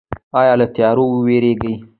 ایا له تیاره ویریږئ؟